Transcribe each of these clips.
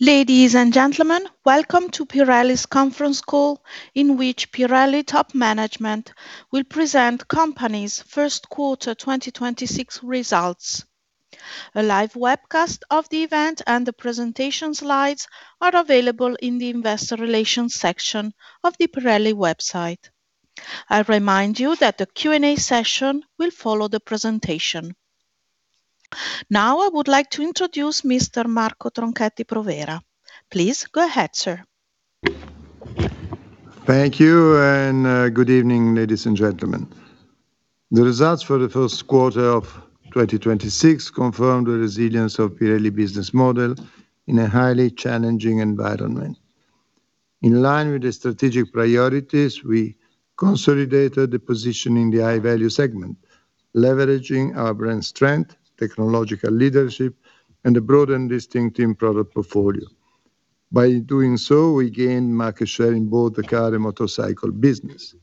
Ladies and gentlemen, welcome to Pirelli's conference call, in which Pirelli top management will present company's first quarter 2026 results. A live webcast of the event and the presentation slides are available in the investor relations section of the Pirelli website. I remind you that a Q&A session will follow the presentation. I would like to introduce Mr. Marco Tronchetti Provera. Please go ahead, sir. Thank you. Good evening, ladies and gentlemen. The results for the first quarter of 2026 confirm the resilience of Pirelli business model in a highly challenging environment. In line with the strategic priorities, we consolidated the position in the high value segment, leveraging our brand strength, technological leadership, and the broad and distinctive product portfolio. By doing so, we gained market share in both the car and motorcycle business.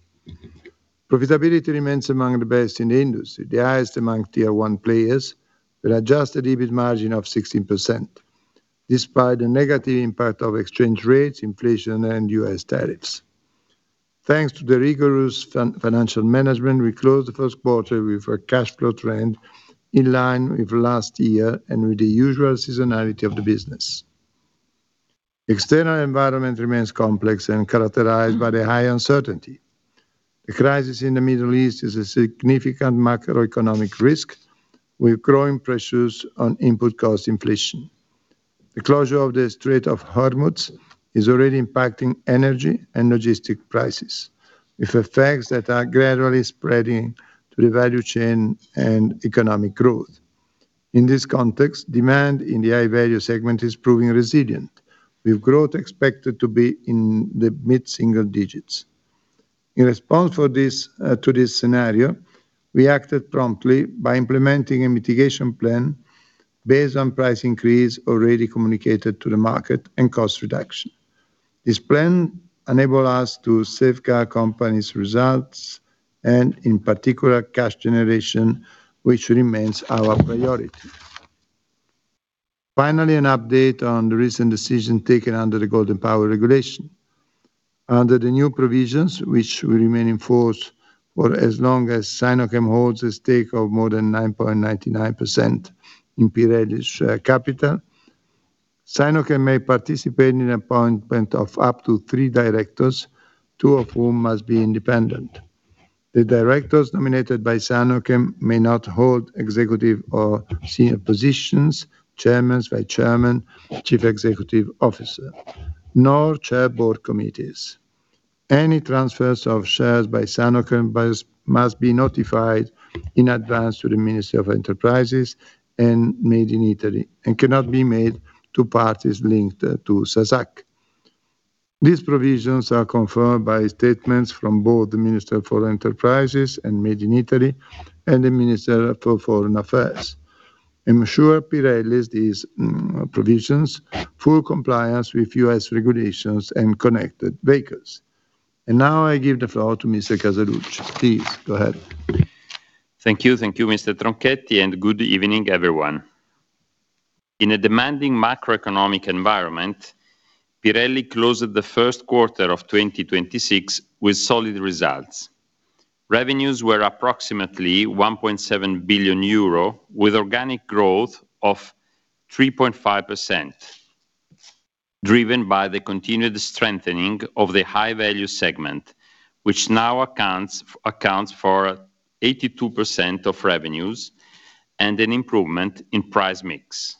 Profitability remains among the best in the industry, the highest among Tier 1 players, with Adjusted EBIT margin of 16%, despite the negative impact of exchange rates, inflation, and U.S. tariffs. Thanks to the rigorous financial management, we closed the first quarter with a cash flow trend in line with last year and with the usual seasonality of the business. External environment remains complex and characterized by the high uncertainty. The crisis in the Middle East is a significant macroeconomic risk with growing pressures on input cost inflation. The closure of the Strait of Hormuz is already impacting energy and logistics prices, with effects that are gradually spreading to the value chain and economic growth. In this context, demand in the high value segment is proving resilient, with growth expected to be in the mid-single digits. In response for this, to this scenario, we acted promptly by implementing a mitigation plan based on price increase already communicated to the market and cost reduction. This plan enable us to safeguard company's results and in particular cash generation, which remains our priority. Finally, an update on the recent decision taken under the Golden Power regulation. Under the new provisions, which will remain in force for as long as Sinochem holds a stake of more than 9.99% in Pirelli's capital, Sinochem may participate in appointment of up to three directors, two of whom must be independent. The directors nominated by Sinochem may not hold executive or senior positions, chairmans, vice chairman, chief executive officer, nor chair board committees. Any transfers of shares by Sinochem buys must be notified in advance to the Ministry of Enterprises and Made in Italy and cannot be made to parties linked to SASAC. These provisions are confirmed by statements from both the Minister for Enterprises and Made in Italy and the Minister for Foreign Affairs. I'm sure Pirelli's these provisions full compliance with U.S. regulations and connected vehicles. Now I give the floor to Mr. Casaluci. Please go ahead. Thank you. Thank you, Mr. Tronchetti. Good evening, everyone. In a demanding macroeconomic environment, Pirelli closed the first quarter of 2026 with solid results. Revenues were approximately 1.7 billion euro, with organic growth of 3.5%, driven by the continued strengthening of the high value segment, which now accounts for 82% of revenues and an improvement in price mix.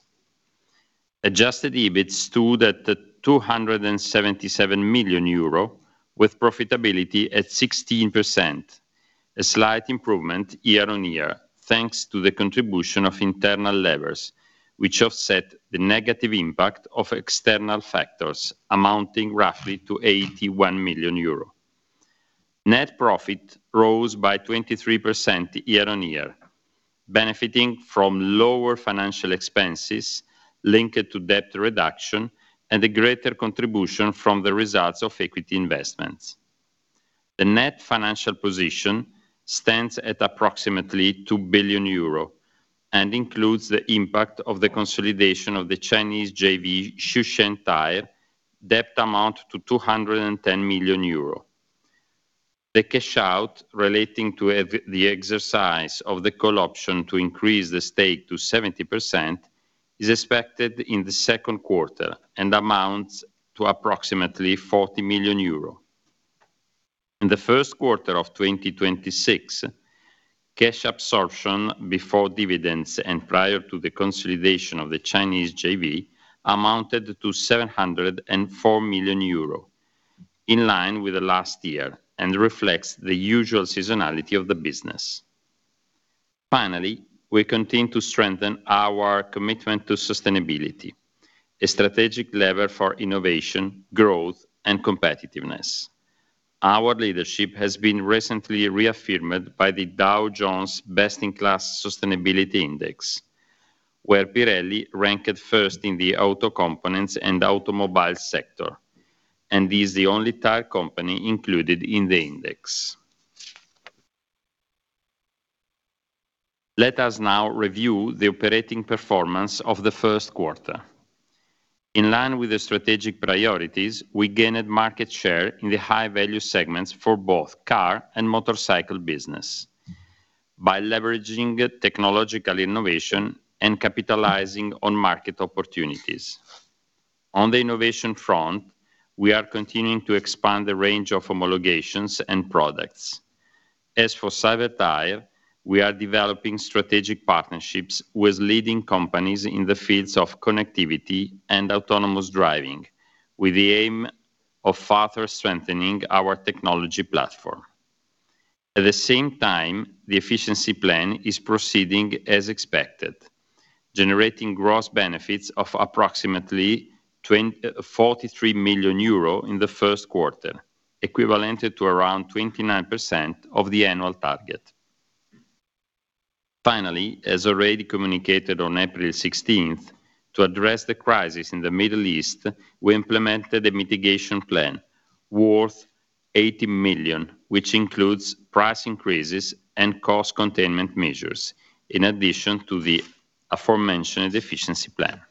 Adjusted EBIT stood at the 277 million euro, with profitability at 16%, a slight improvement year-on-year, thanks to the contribution of internal levers, which offset the negative impact of external factors amounting roughly to 81 million euro. Net profit rose by 23% year-on-year, benefiting from lower financial expenses linked to debt reduction and a greater contribution from the results of equity investments. The net financial position stands at approximately 2 billion euro and includes the impact of the consolidation of the Chinese JV Shenzhou Tire debt amount to 210 million euro. The cash out relating to the exercise of the call option to increase the stake to 70% is expected in the second quarter and amounts to approximately 40 million euro. In the first quarter of 2026, cash absorption before dividends and prior to the consolidation of the Chinese JV amounted to 704 million euro, in line with the last year, and reflects the usual seasonality of the business. Finally, we continue to strengthen our commitment to sustainability, a strategic lever for innovation, growth, and competitiveness. Our leadership has been recently reaffirmed by the Dow Jones Best in Class Sustainability Index, where Pirelli ranked first in the auto components and automobile sector, and is the only tire company included in the index. Let us now review the operating performance of the first quarter. In line with the strategic priorities, we gained market share in the high value segments for both car and motorcycle business by leveraging technological innovation and capitalizing on market opportunities. On the innovation front, we are continuing to expand the range of homologations and products. As for Cyber Tyre, we are developing strategic partnerships with leading companies in the fields of connectivity and autonomous driving, with the aim of further strengthening our technology platform. The efficiency plan is proceeding as expected, generating gross benefits of approximately 43 million euro in first quarter, equivalent to around 29% of the annual target. As already communicated on April 16th, to address the crisis in the Middle East, we implemented a mitigation plan worth 80 million, which includes price increases and cost containment measures, in addition to the aforementioned efficiency plan.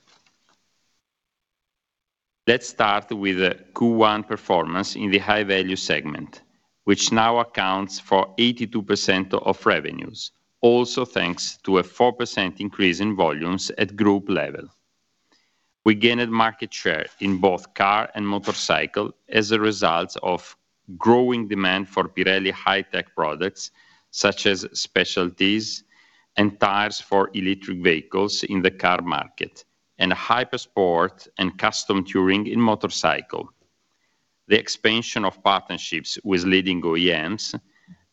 Let's start with the Q1 performance in the high value segment, which now accounts for 82% of revenues, also thanks to a 4% increase in volumes at group level. We gained market share in both car and motorcycle as a result of growing demand for Pirelli high tech products, such as specialties and tires for electric vehicles in the car market and hyper sport and custom touring in motorcycle. The expansion of partnerships with leading OEMs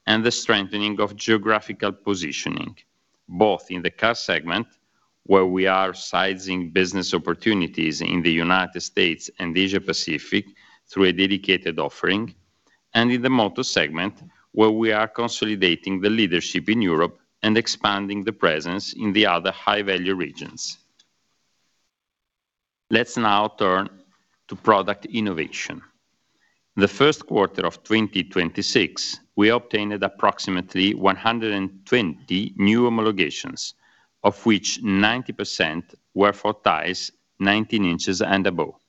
and the strengthening of geographical positioning, both in the car segment, where we are sizing business opportunities in the U.S. and Asia-Pacific through a dedicated offering and in the motor segment, where we are consolidating the leadership in Europe and expanding the presence in the other high value regions. Let's now turn to product innovation. The first quarter of 2026, we obtained approximately 120 new homologations, of which 90% were for tires 19 inches and above,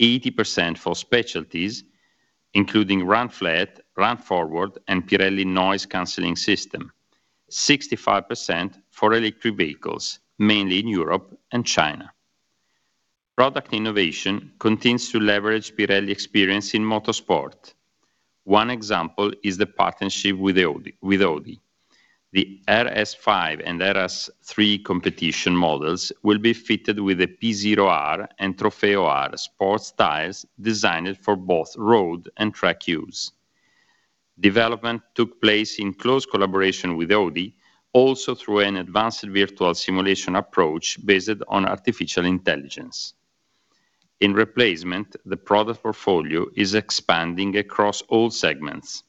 80% for specialties, including Run-Flat, Run-Forward, and Pirelli Noise Cancelling System, 65% for electric vehicles, mainly in Europe and China. Product innovation continues to leverage Pirelli experience in motorsport. One example is the partnership with Audi. The RS 5 and RS 3 competition models will be fitted with a P Zero R and P Zero Trofeo R sports tyres designed for both road and track use. Development took place in close collaboration with Audi also through an advanced virtual simulation approach based on artificial intelligence. In replacement, the product portfolio is expanding across all segments.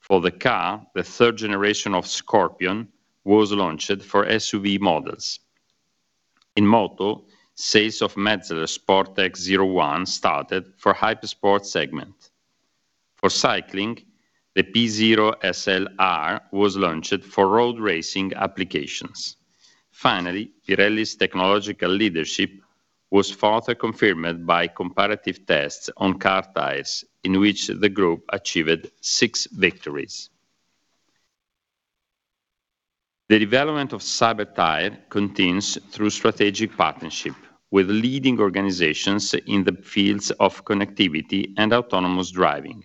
For the car, the third generation of Scorpion was launched for SUV models. In moto, sales of Metzeler Sportec M-1 started for hyper sport segment. For cycling, the P Zero Race TLR SL-R was launched for road racing applications. Finally, Pirelli's technological leadership was further confirmed by comparative tests on car tyres, in which the group achieved six victories. The development of Cyber Tyre continues through strategic partnership with leading organizations in the fields of connectivity and autonomous driving,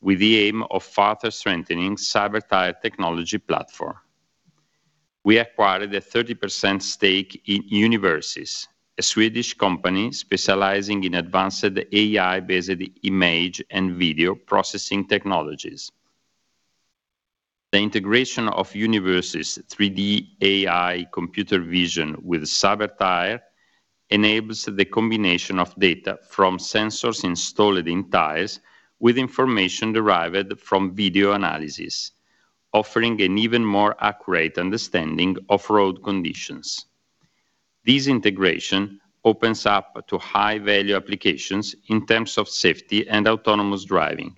with the aim of further strengthening Cyber Tyre technology platform. We acquired a 30% stake in Univrses, a Swedish company specializing in advanced AI-based image and video processing technologies. The integration of Univrses' 3D AI computer vision with Cyber Tyre enables the combination of data from sensors installed in tires with information derived from video analysis, offering an even more accurate understanding of road conditions. This integration opens up to high-value applications in terms of safety and autonomous driving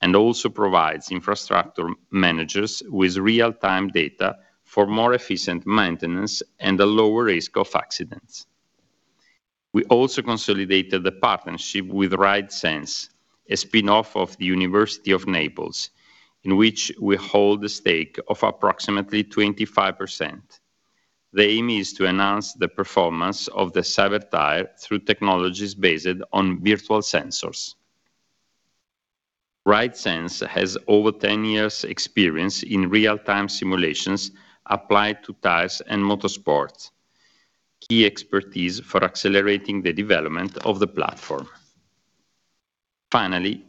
and also provides infrastructure managers with real-time data for more efficient maintenance and a lower risk of accidents. We also consolidated the partnership with RideSense, a spinoff of the University of Naples, in which we hold a stake of approximately 25%. The aim is to enhance the performance of the Cyber Tyre through technologies based on virtual sensors. RideSense has over 10 years' experience in real-time simulations applied to tires and motorsports, key expertise for accelerating the development of the platform. Finally,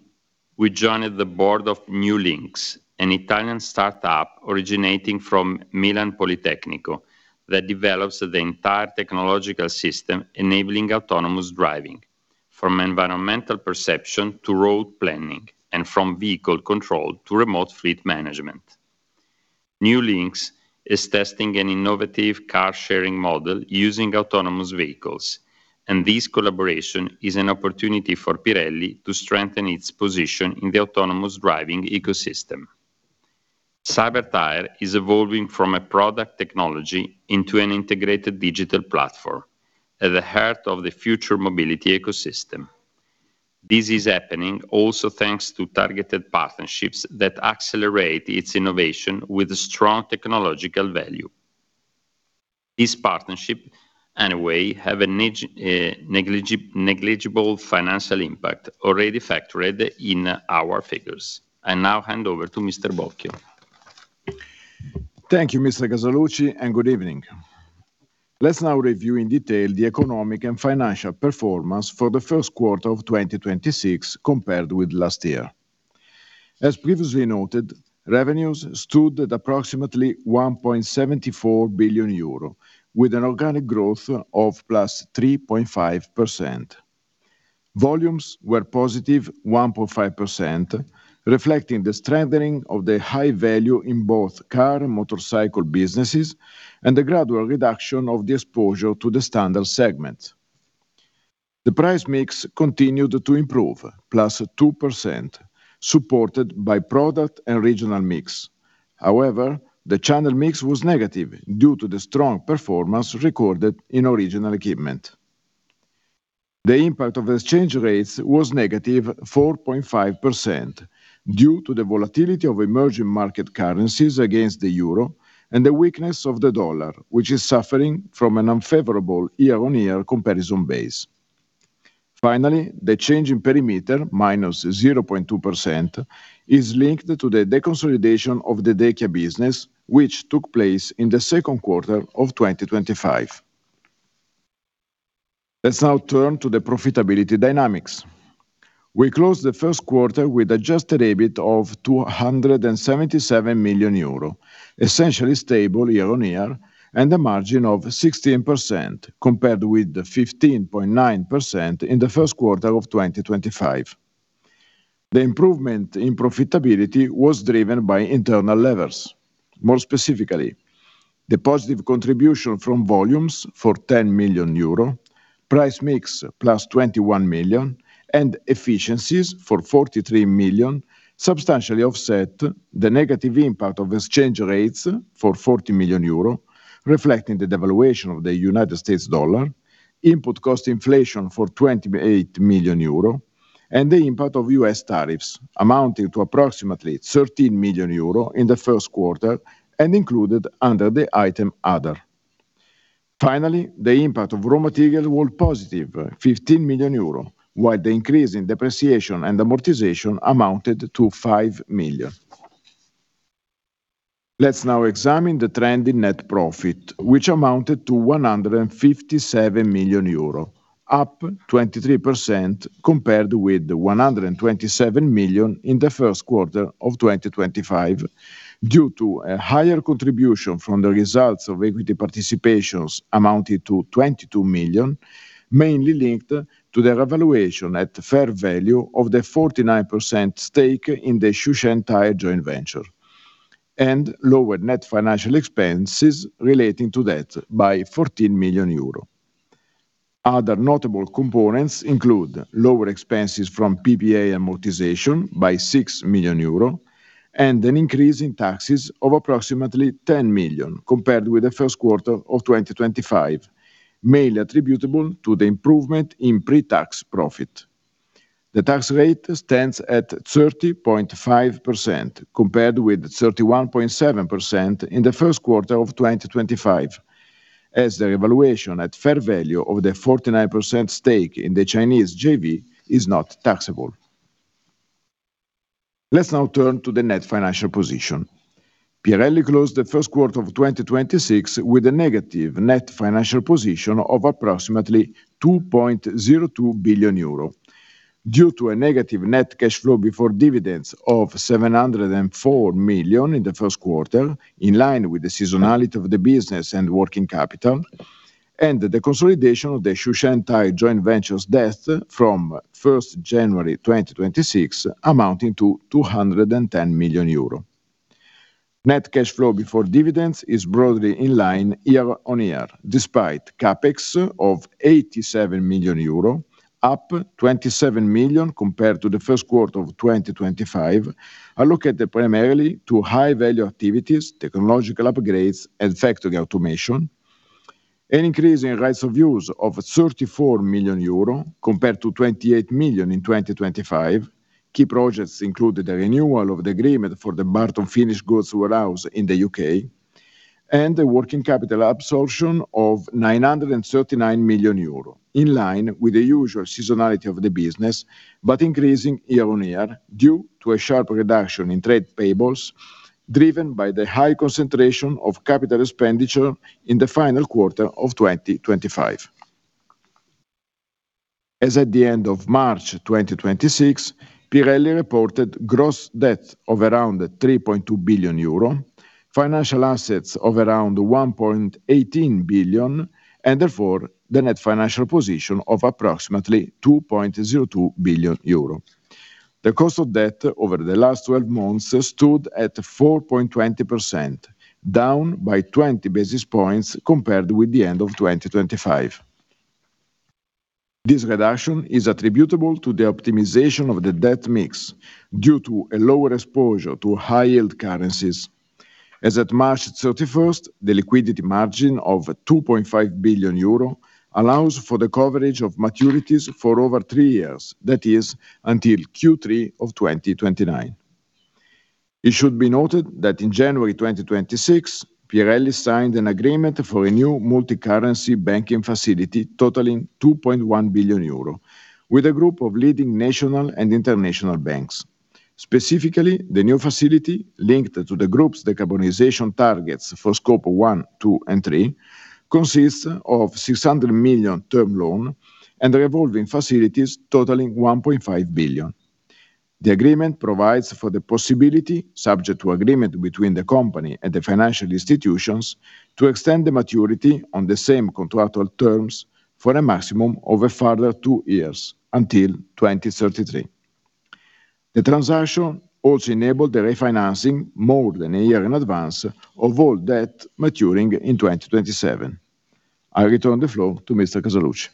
we joined the board of Niulinx, an Italian startup originating from Politecnico di Milano that develops the entire technological system enabling autonomous driving from environmental perception to road planning and from vehicle control to remote fleet management. Niulinx is testing an innovative car sharing model using autonomous vehicles, and this collaboration is an opportunity for Pirelli to strengthen its position in the autonomous driving ecosystem. Cyber Tyre is evolving from a product technology into an integrated digital platform at the heart of the future mobility ecosystem. This is happening also thanks to targeted partnerships that accelerate its innovation with a strong technological value. This partnership, anyway, have a negligible financial impact already factored in our figures. I now hand over to Mr. Bocchio. Thank you, Mr. Casaluci, and good evening. Let's now review in detail the economic and financial performance for the first quarter of 2026 compared with last year. As previously noted, revenues stood at approximately 1.74 billion euro, with an organic growth of +3.5%. Volumes were +1.5%, reflecting the strengthening of the high value in both car and motorcycle businesses and the gradual reduction of the exposure to the standard segment. The price mix continued to improve, +2%, supported by product and regional mix. The channel mix was negative due to the strong performance recorded in original equipment. The impact of exchange rates was -4.5% due to the volatility of emerging market currencies against the euro and the weakness of the dollar, which is suffering from an unfavorable year-on-year comparison base. Finally, the change in perimeter, -0.2%, is linked to the deconsolidation of the DECA business, which took place in the second quarter of 2025. Let's now turn to the profitability dynamics. We closed the first quarter with Adjusted EBIT of 277 million euro, essentially stable year-on-year and a margin of 16% compared with the 15.9% in the first quarter of 2025. The improvement in profitability was driven by internal levers. More specifically, the positive contribution from volumes for 10 million euro, price mix +21 million, and efficiencies for 43 million substantially offset the negative impact of exchange rates for 40 million euro, reflecting the devaluation of the US dollar, input cost inflation for 28 million euro, and the impact of US tariffs amounting to approximately 13 million euro in the first quarter and included under the item Other. Finally, the impact of raw material was positive 15 million euro, while the increase in depreciation and amortization amounted to 5 million. Let's now examine the trend in net profit, which amounted to 157 million euro, up 23% compared with the 127 million in the first quarter of 2025 due to a higher contribution from the results of equity participations amounted to 22 million, mainly linked to the revaluation at fair value of the 49% stake in the Shushen Tire joint venture, and lower net financial expenses relating to debt by 14 million euro. Other notable components include lower expenses from PPA amortization by 6 million euro and an increase in taxes of approximately 10 million compared with the first quarter of 2025, mainly attributable to the improvement in pre-tax profit. The tax rate stands at 30.5% compared with 31.7% in the first quarter of 2025, as the revaluation at fair value of the 49% stake in the Chinese JV is not taxable. Let's now turn to the net financial position. Pirelli closed the first quarter of 2026 with a negative net financial position of approximately 2.02 billion euro due to a negative net cash flow before dividends of 704 million in the first quarter, in line with the seasonality of the business and working capital, and the consolidation of the Shushen Tire joint venture's debt from January 1st, 2026 amounting to 210 million euro. Net cash flow before dividends is broadly in line year-on-year, despite CapEx of 87 million euro, up 27 million compared to the first quarter of 2025, allocated primarily to high-value activities, technological upgrades, and factory automation. An increase in rights of use of 34 million euro compared to 28 million in 2025. Key projects included the renewal of the agreement for the Burton finished goods warehouse in the U.K. and the working capital absorption of 939 million euro, in line with the usual seasonality of the business, but increasing year-on-year due to a sharp reduction in trade payables, driven by the high concentration of capital expenditure in the final quarter of 2025. As at the end of March 2026, Pirelli reported gross debt of around 3.2 billion euro, financial assets of around 1.18 billion, and therefore the net financial position of approximately 2.02 billion euro. The cost of debt over the last 12 months stood at 4.20%, down by 20 basis points compared with the end of 2025. This reduction is attributable to the optimization of the debt mix due to a lower exposure to high-yield currencies. As at March 31st, the liquidity margin of 2.5 billion euro allows for the coverage of maturities for over three years, that is, until Q3 of 2029. It should be noted that in January 2026, Pirelli signed an agreement for a new multicurrency banking facility totaling 2.1 billion euro with a group of leading national and international banks. Specifically, the new facility linked to the group's decarbonization targets for Scope 1, 2, and 3 consists of 600 million term loan and revolving facilities totaling 1.5 billion. The agreement provides for the possibility, subject to agreement between the company and the financial institutions, to extend the maturity on the same contractual terms for a maximum of a further two years until 2033. The transaction also enabled the refinancing more than a year in advance of all debt maturing in 2027. I return the floor to Mr. Casaluci.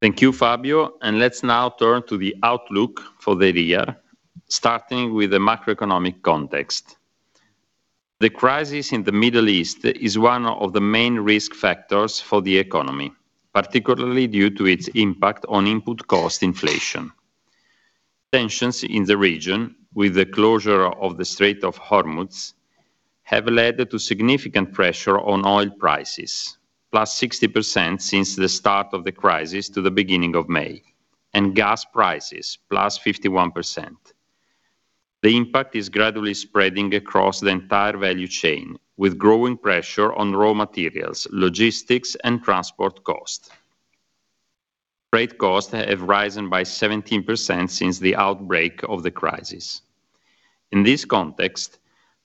Thank you, Fabio. Let's now turn to the outlook for the year, starting with the macroeconomic context. The crisis in the Middle East is one of the main risk factors for the economy, particularly due to its impact on input cost inflation. Tensions in the region with the closure of the Strait of Hormuz have led to significant pressure on oil prices, +60% since the start of the crisis to the beginning of May, and gas prices, +51%. The impact is gradually spreading across the entire value chain with growing pressure on raw materials, logistics, and transport cost. Freight costs have risen by 17% since the outbreak of the crisis. In this context,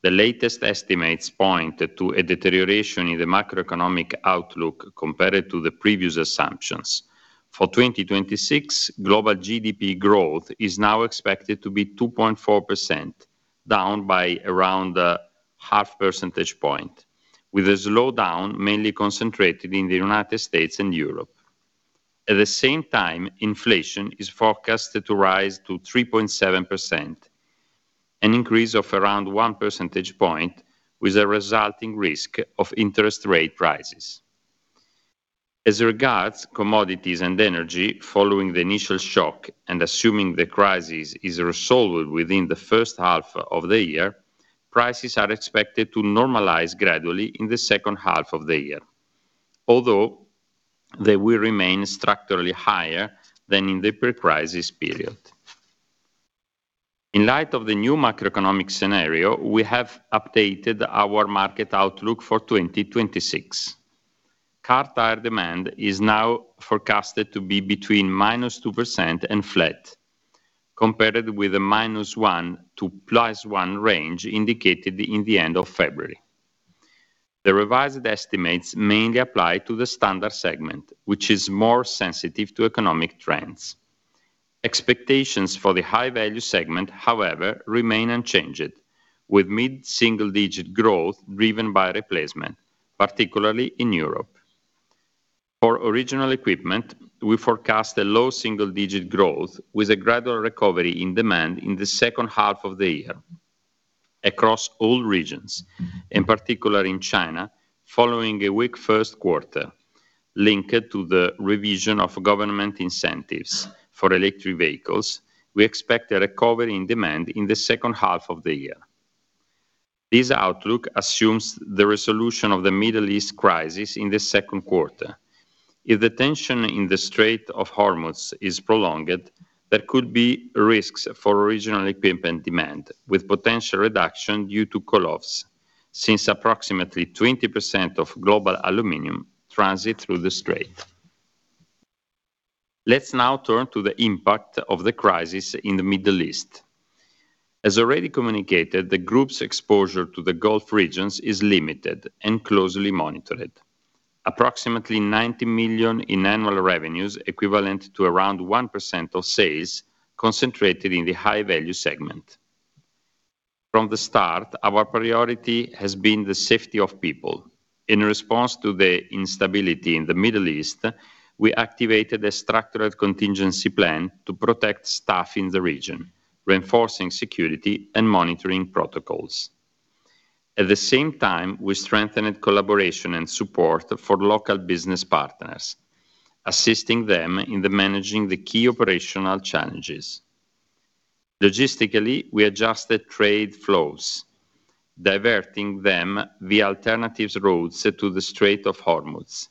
the latest estimates point to a deterioration in the macroeconomic outlook compared to the previous assumptions. For 2026, global GDP growth is now expected to be 2.4%, down by around 0.5 percentage point, with a slowdown mainly concentrated in the United States and Europe. At the same time, inflation is forecasted to rise to 3.7%, an increase of around 1 percentage point with a resulting risk of interest rate rises. As regards commodities and energy, following the initial shock and assuming the crisis is resolved within the first half of the year, prices are expected to normalize gradually in the second half of the year, although they will remain structurally higher than in the pre-crisis period. In light of the new macroeconomic scenario, we have updated our market outlook for 2026. Car tire demand is now forecasted to be between -2% and flat, compared with the -1% to +1% range indicated in the end of February. The revised estimates mainly apply to the standard segment, which is more sensitive to economic trends. Expectations for the high-value segment, however, remain unchanged with mid-single-digit growth driven by replacement, particularly in Europe. For original equipment, we forecast a low single-digit growth with a gradual recovery in demand in the second half of the year across all regions. In particular, in China, following a weak first quarter linked to the revision of government incentives for electric vehicles, we expect a recovery in demand in the second half of the year. This outlook assumes the resolution of the Middle East crisis in the second quarter. If the tension in the Strait of Hormuz is prolonged, there could be risks for original equipment demand, with potential reduction due to cutoffs, since approximately 20% of global aluminum transit through the strait. Let's now turn to the impact of the crisis in the Middle East. As already communicated, the group's exposure to the Gulf regions is limited and closely monitored. Approximately 90 million in annual revenues, equivalent to around 1% of sales, concentrated in the high value segment. From the start, our priority has been the safety of people. In response to the instability in the Middle East, we activated a structural contingency plan to protect staff in the region, reinforcing security and monitoring protocols. At the same time, we strengthened collaboration and support for local business partners, assisting them in managing the key operational challenges. Logistically, we adjusted trade flows, diverting them via alternative routes to the Strait of Hormuz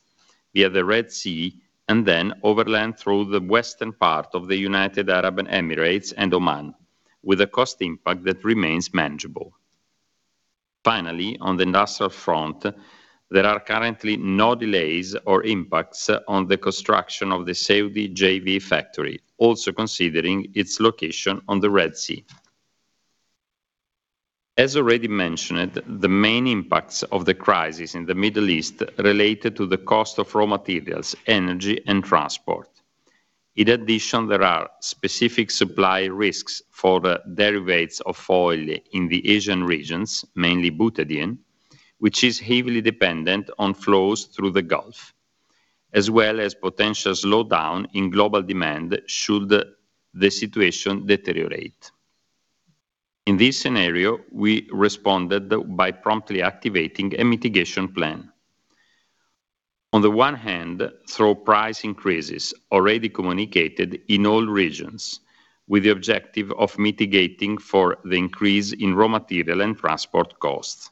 via the Red Sea and then overland through the western part of the United Arab Emirates and Oman, with a cost impact that remains manageable. Finally, on the industrial front, there are currently no delays or impacts on the construction of the Saudi JV factory, also considering its location on the Red Sea. As already mentioned, the main impacts of the crisis in the Middle East related to the cost of raw materials, energy, and transport. In addition, there are specific supply risks for the derivatives of oil in the Asian regions, mainly butadiene, which is heavily dependent on flows through the Gulf, as well as potential slowdown in global demand should the situation deteriorate. In this scenario, we responded by promptly activating a mitigation plan. On the one hand, through price increases already communicated in all regions with the objective of mitigating for the increase in raw material and transport costs.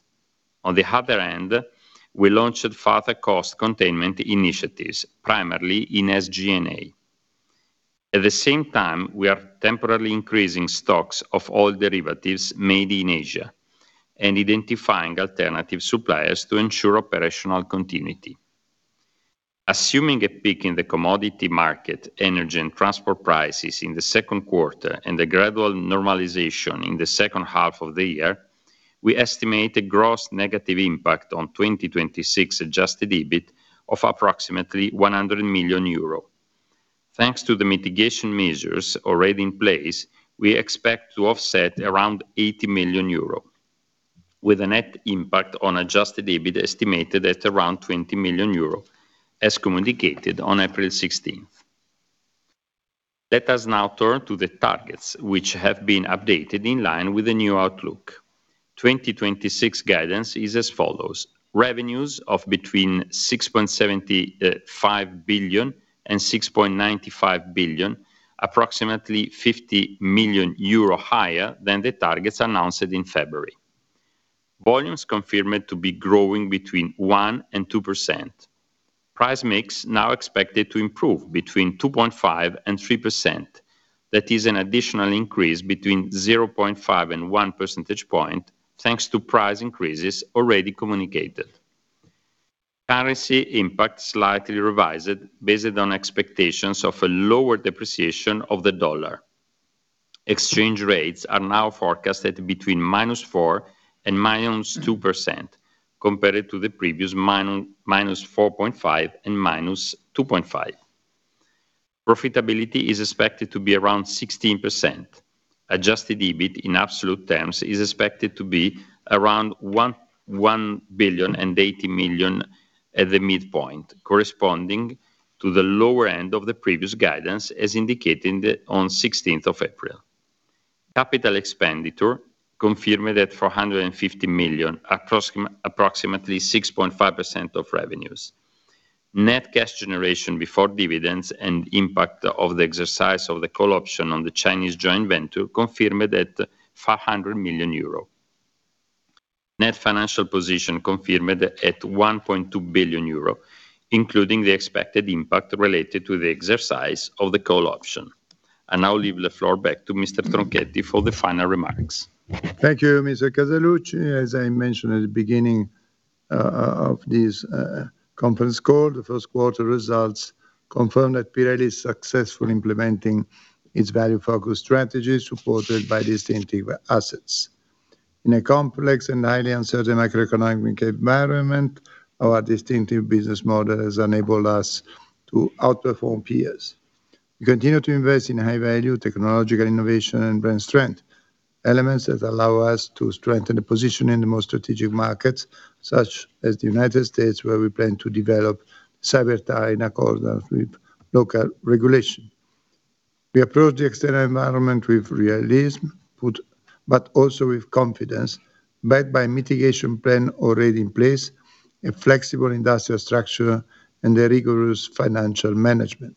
On the other hand, we launched further cost containment initiatives, primarily in SG&A. At the same time, we are temporarily increasing stocks of oil derivatives made in Asia and identifying alternative suppliers to ensure operational continuity. Assuming a peak in the commodity market, energy and transport prices in the second quarter and a gradual normalization in the second half of the year, we estimate a gross negative impact on 2026 Adjusted EBIT of approximately 100 million euro. Thanks to the mitigation measures already in place, we expect to offset around 80 million euro, with a net impact on Adjusted EBIT estimated at around 20 million euro, as communicated on April 16th. Let us now turn to the targets which have been updated in line with the new outlook. 2026 guidance is as follows: Revenues of between 6.75 billion and 6.95 billion, approximately 50 million euro higher than the targets announced in February. Volumes confirmed to be growing between 1% and 2%. Price mix now expected to improve between 2.5% and 3%. That is an additional increase between 0.5 and 1 percentage point, thanks to price increases already communicated. Currency impact slightly revised based on expectations of a lower depreciation of the dollar. Exchange rates are now forecasted between -4% and -2% compared to the previous -4.5% and -2.5%. Profitability is expected to be around 16%. Adjusted EBIT in absolute terms is expected to be around 1.08 billion at the midpoint, corresponding to the lower end of the previous guidance, as indicated on 16th of April. CapEx confirmed at 450 million, approximately 6.5% of revenues. Net cash generation before dividends and impact of the exercise of the call option on the Chinese joint venture confirmed at 400 million euro. Net financial position confirmed at 1.2 billion euro, including the expected impact related to the exercise of the call option. I now leave the floor back to Mr. Tronchetti for the final remarks. Thank you, Mr. Casaluci. As I mentioned at the beginning of this conference call, the first quarter results confirm that Pirelli is successful implementing its value-focused strategy supported by distinctive assets. In a complex and highly uncertain macroeconomic environment, our distinctive business model has enabled us to outperform peers. We continue to invest in high value technological innovation and brand strength, elements that allow us to strengthen the position in the most strategic markets, such as the United States, where we plan to develop Cyber Tyre in accordance with local regulation. We approach the external environment with realism, but also with confidence, backed by mitigation plan already in place, a flexible industrial structure and a rigorous financial management.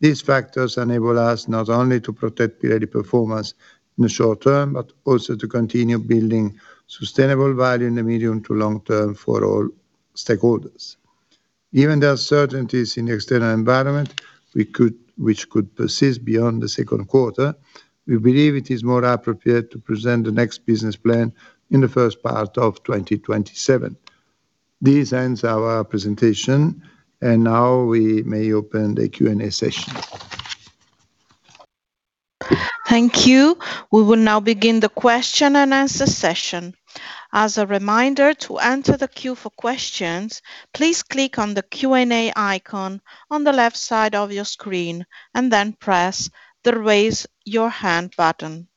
These factors enable us not only to protect Pirelli performance in the short term, but also to continue building sustainable value in the medium to long term for all stakeholders. Given the uncertainties in the external environment, which could persist beyond the second quarter, we believe it is more appropriate to present the next business plan in the first part of 2027. This ends our presentation. Now we may open the Q&A session. Thank you. We will now begin the question and answer session. As a reminder to answer the queue for questions, please click on the Q&A icon on the left side of your screen and then press the Raise Your Hand button.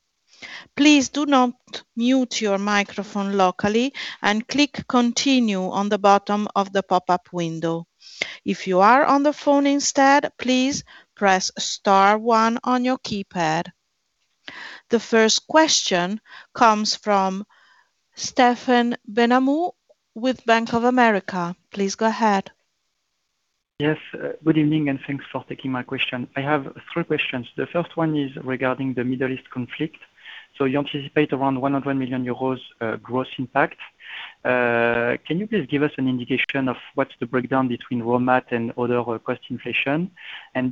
Please do not mute your microphone locally and click continue on the bottom of the pop up window. If you are on the phoning tab, please press star one on your keypad. The first question comes from Stephen Benhamou with Bank of America. Please go ahead. Yes, good evening, thanks for taking my question. I have three questions. The first one is regarding the Middle East conflict. You anticipate around 100 million euros gross impact. Can you please give us an indication of what's the breakdown between raw mat and other cost inflation?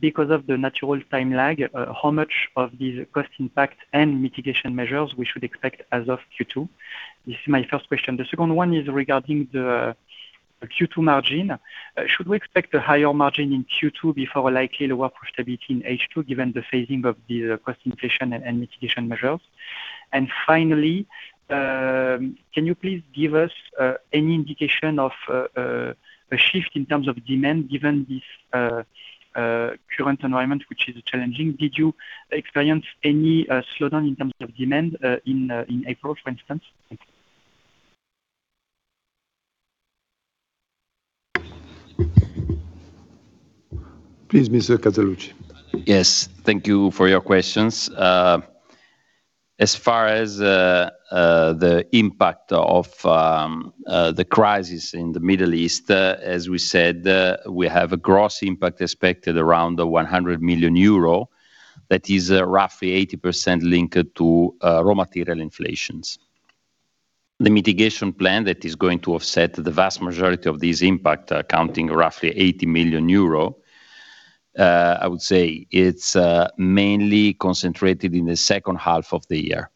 Because of the natural time lag, how much of these cost impact and mitigation measures we should expect as of Q2? This is my first question. The second one is regarding the Q2 margin. Should we expect a higher margin in Q2 before likely lower profitability in H2, given the phasing of the cost inflation and mitigation measures? Finally, can you please give us any indication of a shift in terms of demand given this current environment, which is challenging? Did you experience any slowdown in terms of demand in April, for instance? Thank you. Please, Mr. Casaluci. Yes, thank you for your questions. As far as the impact of the crisis in the Middle East, as we said, we have a gross impact expected around 100 million euro that is roughly 80% linked to raw material inflations. The mitigation plan that is going to offset the vast majority of this impact, accounting roughly 80 million euro, I would say it's mainly concentrated in the second half of the year.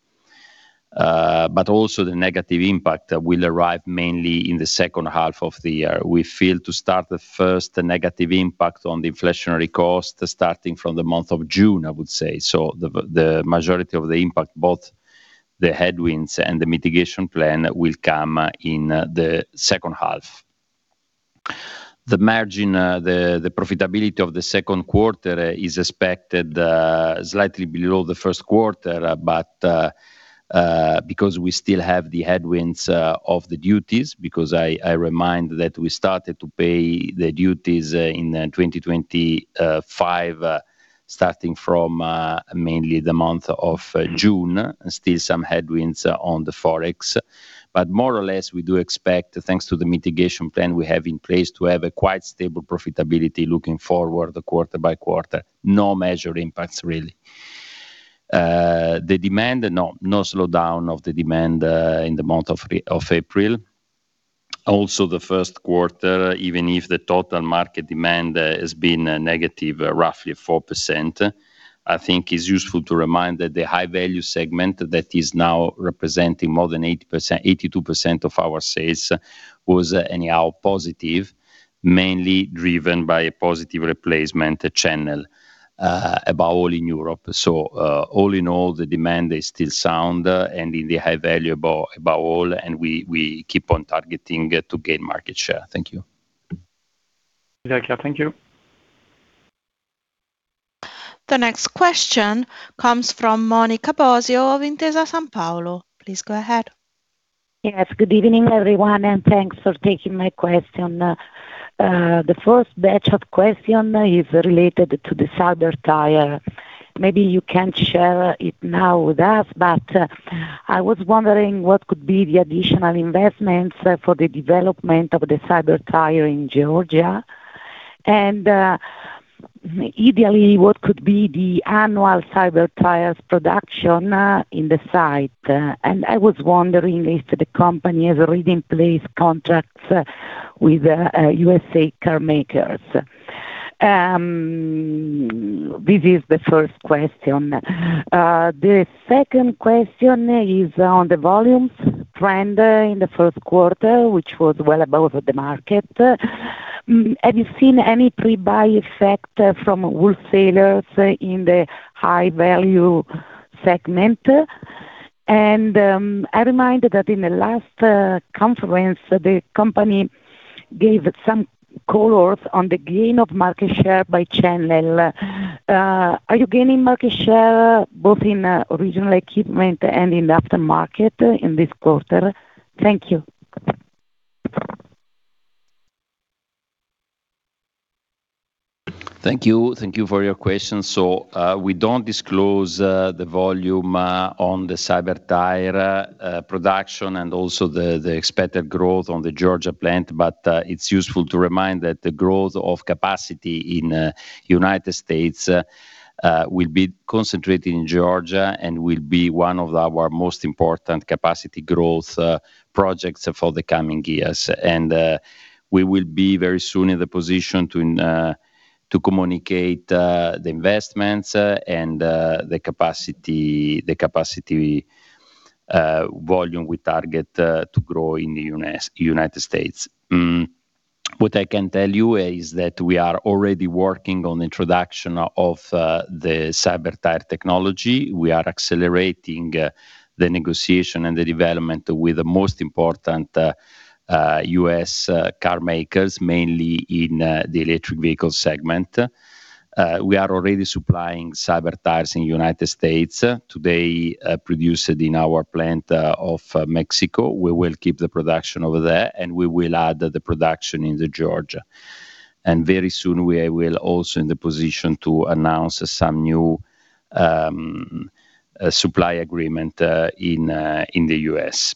Also the negative impact will arrive mainly in the second half of the year. We fail to start the first negative impact on the inflationary cost starting from the month of June, I would say. The majority of the impact, both the headwinds and the mitigation plan, will come in the second half. The margin, the profitability of the second quarter is expected slightly below the first quarter, because we still have the headwinds of the duties, because I remind that we started to pay the duties in 2025, starting from mainly June. Still some headwinds on the Forex. More or less, we do expect, thanks to the mitigation plan we have in place, to have a quite stable profitability looking forward quarter-by-quarter. No major impacts, really. The demand, no slowdown of the demand in April. The first quarter, even if the total market demand has been negative roughly 4%, I think it's useful to remind that the high value segment that is now representing more than 82% of our sales was anyhow positive, mainly driven by a positive replacement channel above all in Europe. All in all, the demand is still sound and in the high value above all, and we keep on targeting to gain market share. Thank you. Thank you. The next question comes from Monica Bosio of Intesa Sanpaolo. Please go ahead. Yes. Good evening, everyone, and thanks for taking my question. The first batch of question is related to the Cyber Tyre. Maybe you can't share it now with us, but, I was wondering what could be the additional investments, for the development of the Cyber Tyre in Georgia. Ideally, what could be the annual Cyber Tyres production, in the site? I was wondering if the company has already in place contracts with, U.S. car makers. This is the first question. The second question is on the volumes trend, in the first quarter, which was well above the market. Have you seen any pre-buy effect, from wholesalers in the high-value segment? I remind that in the last, conference, the company gave some colors on the gain of market share by channel. Are you gaining market share both in original equipment and in the aftermarket in this quarter? Thank you. Thank you. Thank you for your question. We don't disclose the volume on the Cyber Tyre production and also the expected growth on the Georgia plant. It's useful to remind that the growth of capacity in the United States will be concentrated in Georgia and will be one of our most important capacity growth projects for the coming years. We will be very soon in the position to communicate the investments and the capacity volume we target to grow in United States. What I can tell you is that we are already working on introduction of the Cyber Tyre technology. We are accelerating the negotiation and the development with the most important U.S. car makers, mainly in the electric vehicle segment. We are already supplying Cyber Tyre in the United States today, produced in our plant of Mexico. We will keep the production over there, and we will add the production in Georgia. Very soon, we will also in the position to announce some new supply agreement in the U.S.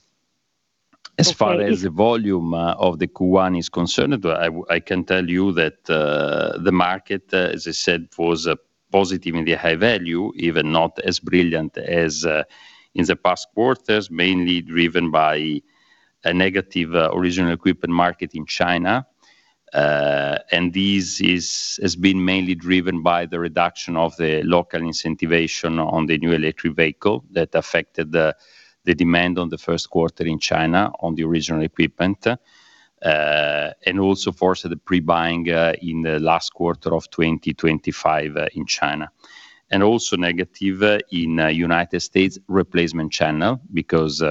As far as the volume of the Q1 is concerned, I can tell you that the market, as I said, was positive in the high value, even not as brilliant as in the past quarters, mainly driven by a negative original equipment market in China. This is, has been mainly driven by the reduction of the local incentivization on the new electric vehicle that affected the demand on the first quarter in China on the original equipment and also forced the pre-buying in the last quarter of 2025 in China. Also negative in United States replacement channel because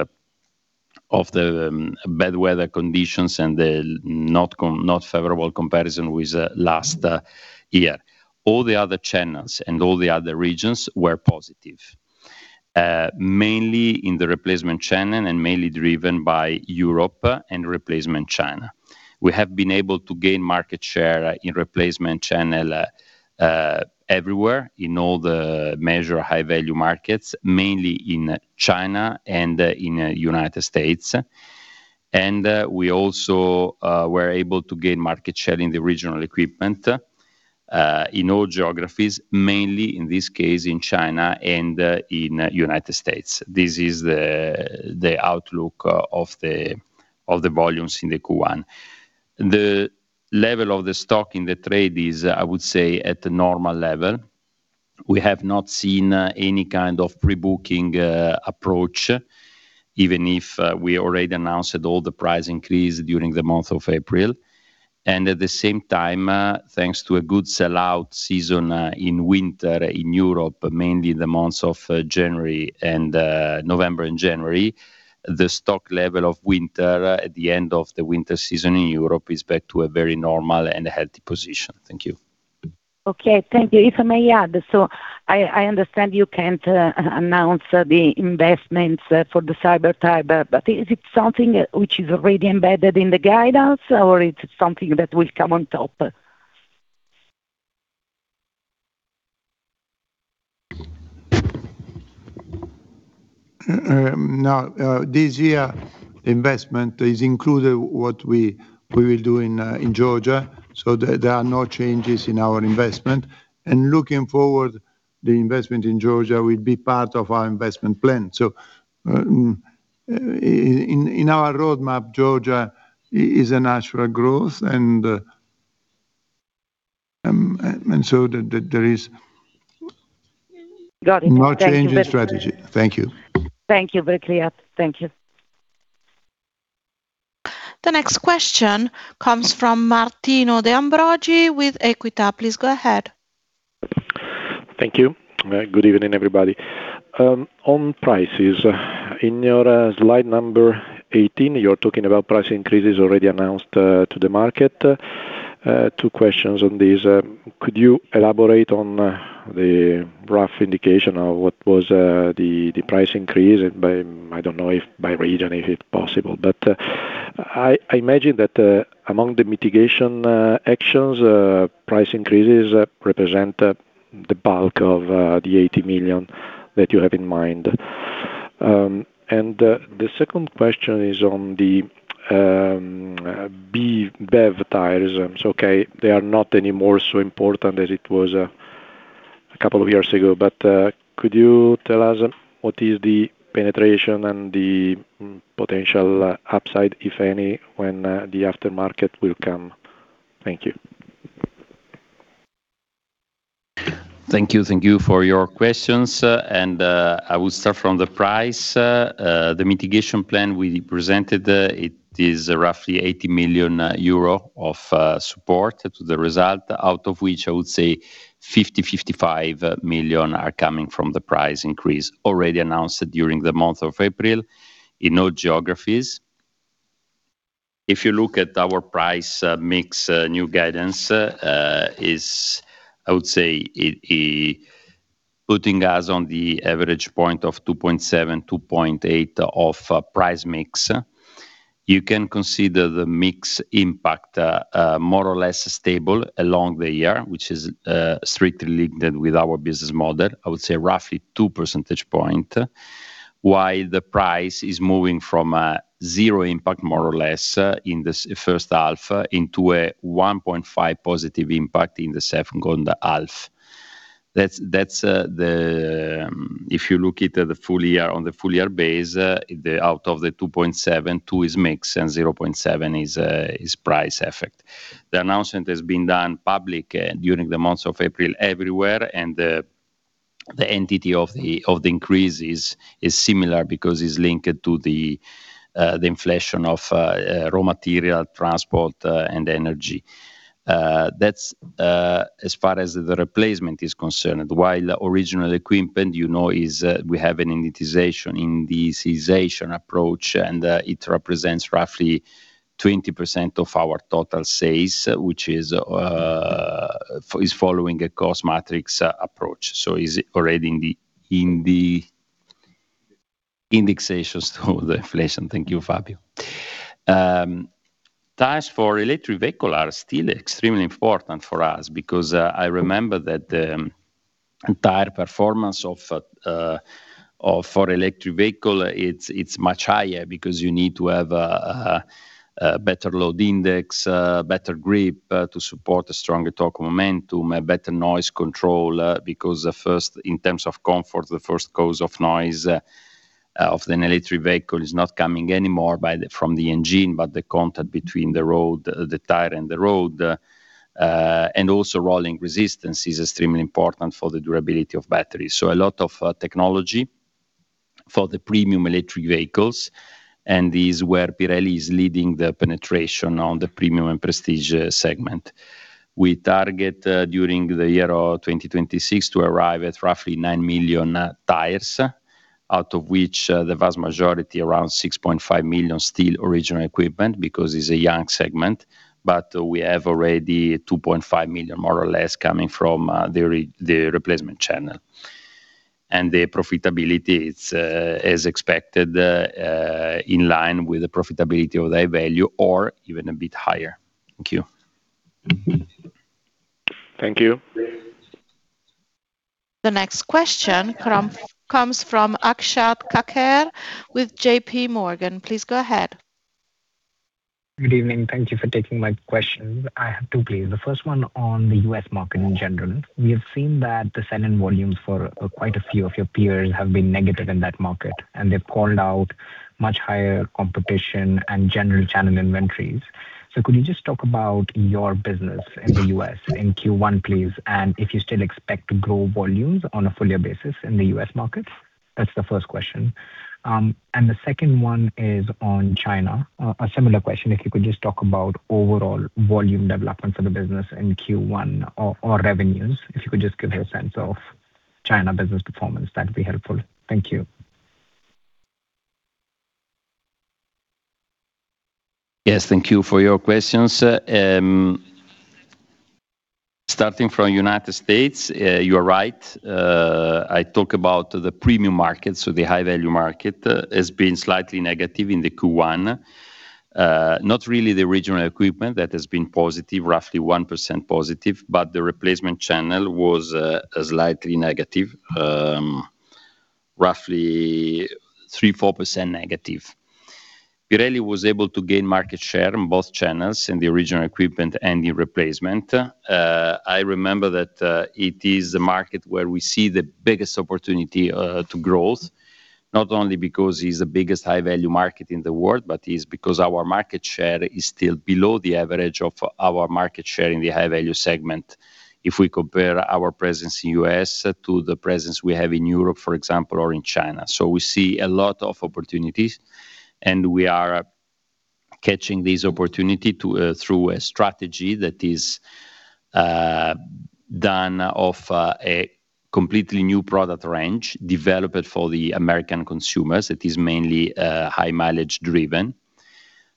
of the bad weather conditions and the not favorable comparison with last year. All the other channels and all the other regions were positive, mainly in the replacement channel and mainly driven by Europe and replacement China. We have been able to gain market share in replacement channel everywhere in all the major high-value markets, mainly in China and in United States. We also were able to gain market share in the original equipment in all geographies, mainly in this case in China and in the United States. This is the outlook of the volumes in the Q1. The level of the stock in the trade is, I would say, at the normal level. We have not seen any kind of pre-booking approach, even if we already announced all the price increase during the month of April. At the same time, thanks to a good sell-out season in winter in Europe, mainly the months of January and November and January, the stock level of winter at the end of the winter season in Europe is back to a very normal and healthy position. Thank you. Okay, thank you. If I may add, I understand you can't announce the investments for the Cyber Tyre, is it something which is already embedded in the guidance, or is it something that will come on top? Now, this year investment is included what we will do in Georgia, so there are no changes in our investment. Looking forward, the investment in Georgia will be part of our investment plan. In our roadmap, Georgia is a natural growth. So there's- Got it. Thank you.... no change in strategy. Thank you. Thank you. Very clear. Thank you. The next question comes from Martino De Ambroggi with Equita. Please go ahead. Thank you. Good evening, everybody. On prices, in your Slide Number 18, you're talking about price increases already announced to the market. Two questions on this. Could you elaborate on the rough indication of what was the price increase by, I don't know if by region, if it's possible. I imagine that among the mitigation actions, price increases represent the bulk of the 80 million that you have in mind. The second question is on the BEV tires. It's okay, they are not anymore so important as it was a couple years ago. Could you tell us what is the penetration and the potential upside, if any, when the aftermarket will come? Thank you. Thank you. Thank you for your questions. I will start from the price. The mitigation plan we presented, it is roughly 80 million euro of support to the result, out of which I would say 50 million-55 million are coming from the price increase already announced during the month of April in all geographies. If you look at our price mix, new guidance is, I would say, it putting us on the average point of 2.7-2.8 of price mix. You can consider the mix impact more or less stable along the year, which is strictly linked in with our business model. I would say roughly 2 percentage points. While the price is moving from a zero impact, more or less, in this first half into a 1.5 positive impact in the second half. If you look at the full year, on the full year base, out of the 2.7, 2 is mix and 0.7 is price effect. The announcement has been done public during the months of April everywhere, the entity of the increase is similar because it is linked to the inflation of raw material, transport, and energy. That is as far as replacement is concerned. While original equipment, you know, we have an indexation approach. It represents roughly 20% of our total sales, which is following a cost matrix approach. Is already in the indexations to the inflation. Thank you, Fabio. Tires for electric vehicle are still extremely important for us because I remember that the tire performance of for electric vehicle, it's much higher because you need to have a better load index, better grip to support a stronger torque momentum, a better noise control, because the first in terms of comfort, the first cause of noise of an electric vehicle is not coming anymore from the engine, but the contact between the road, the tire and the road. Rolling resistance is extremely important for the durability of batteries. A lot of technology for the premium electric vehicles, and this is where Pirelli is leading the penetration on the premium and prestige segment. We target, during the year of 2026 to arrive at roughly 9 million tires, out of which the vast majority, around 6.5 million, still original equipment because it's a young segment. We have already 2.5 million, more or less, coming from the replacement channel. The profitability is expected in line with the profitability of high value or even a bit higher. Thank you. Thank you. The next question comes from Akshat Kacker with JPMorgan. Please go ahead. Good evening. Thank you for taking my questions. I have two, please. The first one on the U.S. market in general. We have seen that the selling volumes for quite a few of your peers have been negative in that market, and they've called out much higher competition and general channel inventories. Could you just talk about your business in the U.S. in Q1, please? If you still expect to grow volumes on a full year basis in the U.S. markets? That's the first question. The second one is on China. A similar question. If you could just talk about overall volume development for the business in Q1 or revenues. If you could just give me a sense of China business performance, that'd be helpful. Thank you. Yes, thank you for your questions. Starting from the United States, you are right. I talk about the premium market, so the high value market, as being slightly negative in the Q1. Not really the original equipment that has been positive, roughly 1% positive, but the replacement channel was slightly negative. Roughly 3%-4%-. Pirelli was able to gain market share in both channels in the original equipment and in replacement. I remember that it is the market where we see the biggest opportunity to growth, not only because it's the biggest high value market in the world, but it's because our market share is still below the average of our market share in the high value segment if we compare our presence in the U.S. to the presence we have in Europe, for example, or in China. We see a lot of opportunities, and we are catching this opportunity to through a strategy that is done of a completely new product range developed for the American consumers. It is mainly high mileage driven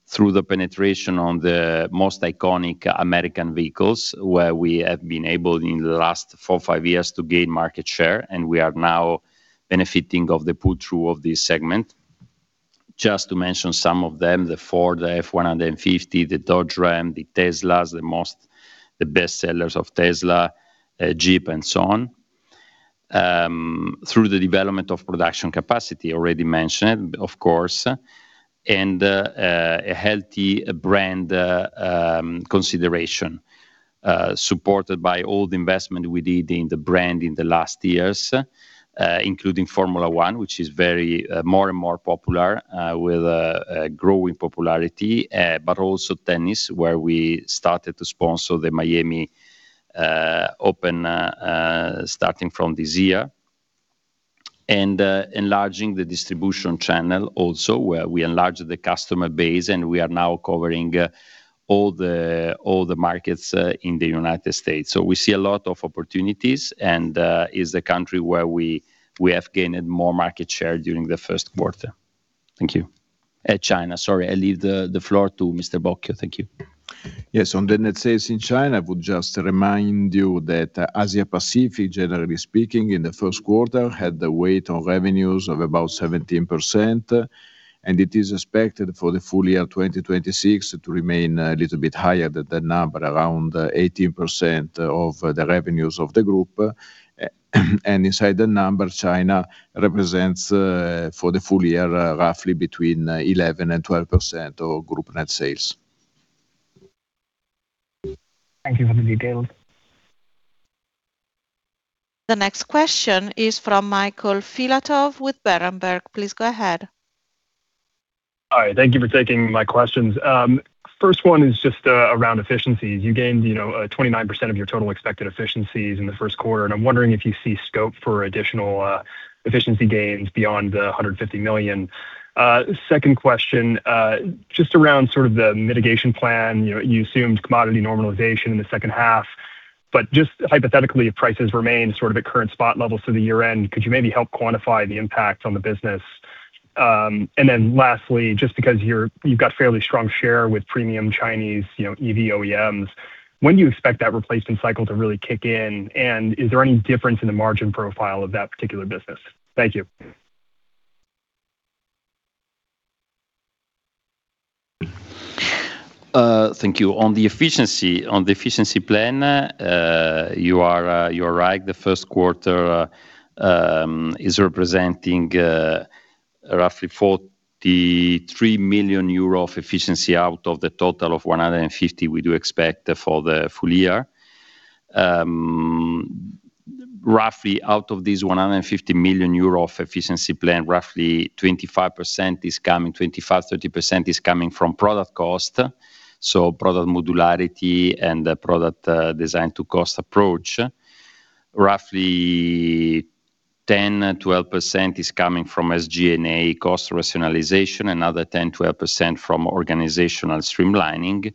through the penetration on the most iconic American vehicles, where we have been able in the last four, five years to gain market share, and we are now benefiting of the pull-through of this segment. Just to mention some of them, the Ford F-150, the Dodge Ram, the Teslas, the most the best sellers of Tesla, Jeep, and so on. Through the development of production capacity already mentioned, of course, and a healthy brand consideration, supported by all the investment we did in the brand in the last years, including Formula 1, which is very more and more popular with a growing popularity. But also tennis, where we started to sponsor the Miami Open starting from this year. Enlarging the distribution channel also, where we enlarged the customer base and we are now covering all the markets in the United States. We see a lot of opportunities and it's the country where we have gained more market share during the first quarter. Thank you. China. Sorry, I leave the floor to Mr. Bocchio. Thank you. Yes, on the net sales in China, I would just remind you that Asia-Pacific, generally speaking, in the first quarter, had the weight on revenues of about 17%. It is expected for the full year 2026 to remain a little bit higher than that number, around 18% of the revenues of the group. Inside the number, China represents for the full year, roughly between 11% and 12% of group net sales. Thank you for the details. The next question is from Michael Filatov with Berenberg. Please go ahead. All right. Thank you for taking my questions. First one is just around efficiencies. You gained, you know, 29% of your total expected efficiencies in the first quarter, and I'm wondering if you see scope for additional efficiency gains beyond the 150 million. Second question, just around sort of the mitigation plan. You know, you assumed commodity normalization in the second half. Just hypothetically, if prices remain sort of at current spot levels through the year end, could you maybe help quantify the impact on the business? Lastly, just because you've got fairly strong share with premium Chinese, you know, EV OEMs, when do you expect that replacement cycle to really kick in? Is there any difference in the margin profile of that particular business? Thank you. Thank you. On the efficiency plan, you are right. The first quarter is representing roughly 43 million euro of efficiency out of the total of 150 we do expect for the full year. Roughly out of this 150 million euro of efficiency plan, roughly 25% is coming, 25%-30% is coming from product cost, so product modularity and the product design to cost approach. Roughly 10%-12% is coming from SG&A cost rationalization, another 10%-12% from organizational streamlining.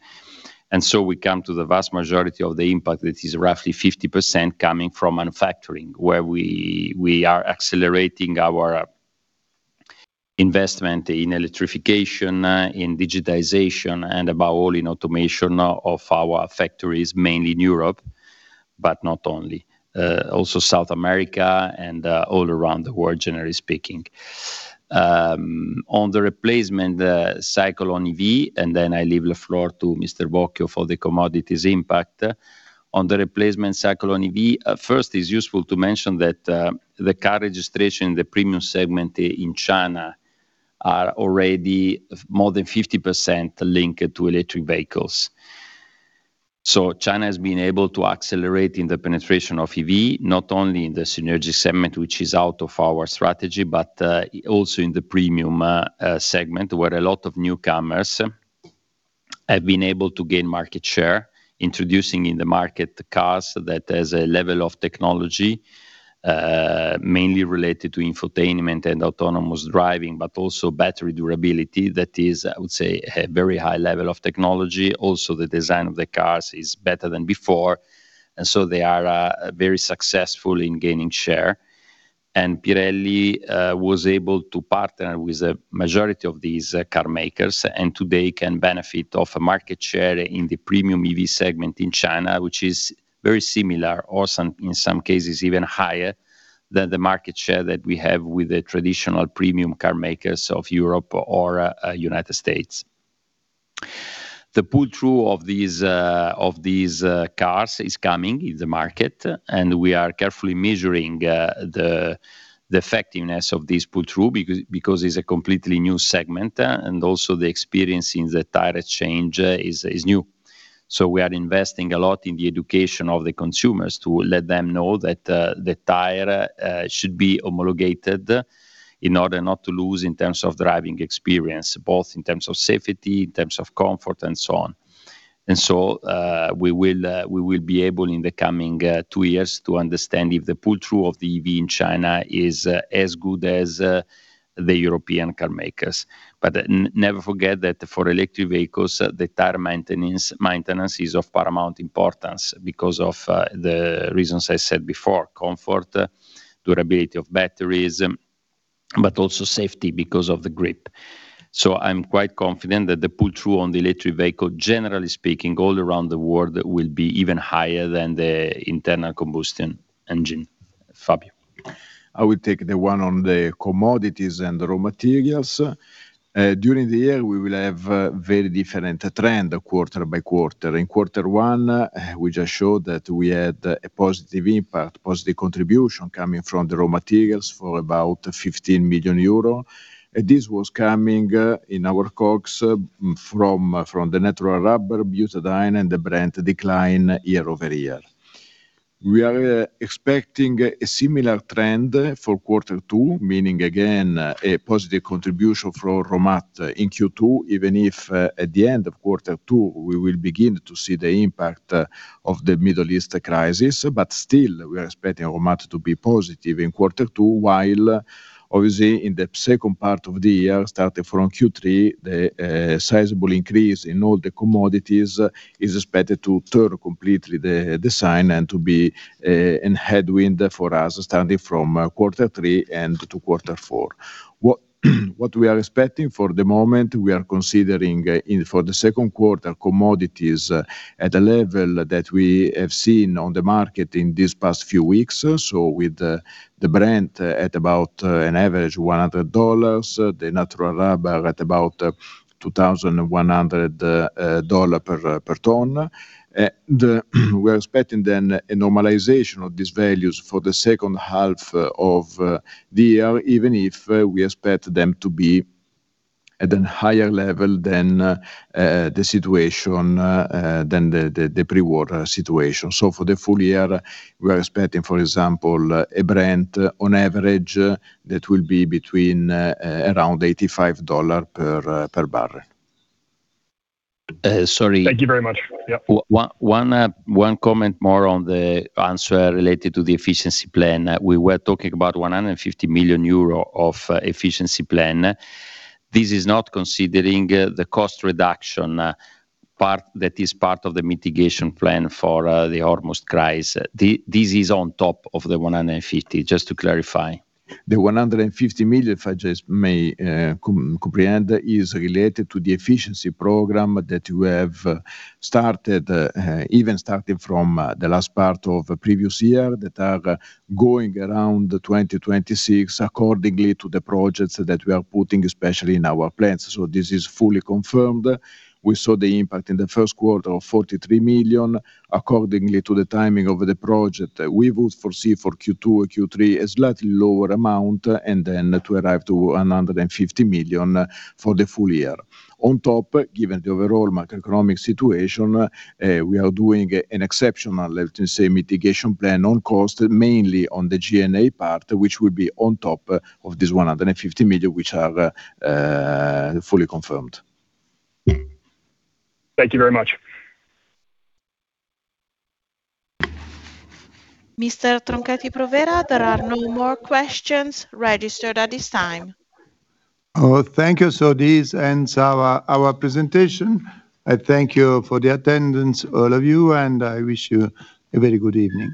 We come to the vast majority of the impact that is roughly 50% coming from manufacturing, where we are accelerating our investment in electrification, in digitization and above all in automation of our factories, mainly in Europe, but not only. Also South America and all around the world, generally speaking. On the replacement cycle on EV, and then I leave the floor to Mr. Bocchio for the commodities impact. On the replacement cycle on EV, at first, it's useful to mention that the car registration, the premium segment in China are already more than 50% linked to electric vehicles. China has been able to accelerate in the penetration of EV, not only in the synergy segment, which is out of our strategy, but also in the premium segment, where a lot of newcomers have been able to gain market share, introducing in the market the cars that has a level of technology, mainly related to infotainment and autonomous driving, but also battery durability that is, I would say, a very high level of technology. Also, the design of the cars is better than before, so they are very successful in gaining share. Pirelli was able to partner with a majority of these car makers, and today can benefit of a market share in the premium EV segment in China, which is very similar, or some, in some cases, even higher than the market share that we have with the traditional premium car makers of Europe or United States. The pull-through of these cars is coming in the market, and we are carefully measuring the effectiveness of this pull-through because it's a completely new segment, and also the experience in the tire change is new. We are investing a lot in the education of the consumers to let them know that the tire should be homologated in order not to lose in terms of driving experience, both in terms of safety, in terms of comfort, and so on. We will be able, in the coming two years to understand if the pull-through of the EV in China is as good as the European car makers. Never forget that for electric vehicles, the tire maintenance is of paramount importance because of the reasons I said before: comfort, durability of batteries, but also safety because of the grip. I'm quite confident that the pull-through on the electric vehicle, generally speaking, all around the world, will be even higher than the internal combustion engine. Fabio. I will take the one on the commodities and raw materials. During the year, we will have a very different trend quarter-by-quarter. In quarter one, we just showed that we had a positive impact, positive contribution coming from the raw materials for about 15 million euro. This was coming in our costs from the natural rubber, butadiene, and the Brent decline year-over-year. We are expecting a similar trend for quarter two, meaning again, a positive contribution from raw mat in Q2, even if at the end of quarter two, we will begin to see the impact of the Middle East crisis. Still, we are expecting raw mat to be positive in quarter two, while obviously in the second part of the year, starting from Q3, the sizable increase in all the commodities is expected to turn completely the sign and to be in headwind for us starting from quarter three and to quarter four. What we are expecting for the moment, we are considering in for the second quarter, commodities at a level that we have seen on the market in these past few weeks. With the Brent at about an average EUR 100, the natural rubber at about EUR 2,100 per ton. We're expecting then a normalization of these values for the second half of the year, even if we expect them to be at a higher level than the situation than the pre-war situation. For the full year, we are expecting, for example, a Brent on average that will be between around $85 per barrel. Sorry. Thank you very much. Yeah. One comment more on the answer related to the efficiency plan. We were talking about 150 million euro of efficiency plan. This is not considering the cost reduction that is part of the mitigation plan for the Hormuz crisis. This is on top of the 150, just to clarify. The 150 million, if I just may comprehend, is related to the efficiency program that you have started even starting from the last part of previous year that are going around 2026 accordingly to the projects that we are putting, especially in our plants. This is fully confirmed. We saw the impact in the first quarter of 43 million. Accordingly to the timing of the project, we would foresee for Q2 or Q3 a slightly lower amount and then to arrive to 150 million for the full year. On top, given the overall macroeconomic situation, we are doing an exceptional, let me say, mitigation plan on cost, mainly on the G&A part, which will be on top of this 150 million, which are fully confirmed. Thank you very much. Mr. Tronchetti Provera, there are no more questions registered at this time. Thank you. This ends our presentation. I thank you for the attendance, all of you, and I wish you a very good evening.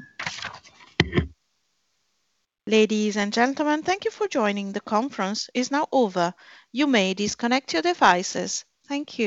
Ladies and gentlemen, thank you for joining. The conference is now over. You may disconnect your devices. Thank you.